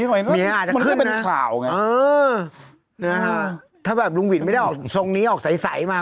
ว่าวันนี้อาจจะเป็นข่าวง่ายถ้าแบบลุงวิศไม่ได้ออกทรงนี้ออกใส่มา